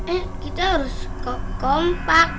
eh kita harus kompak